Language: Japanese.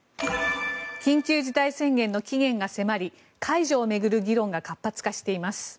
緊急事態宣言の期限が迫り解除を巡る議論が活発化しています。